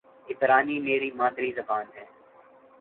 عبرانی میری مادری زبان ہے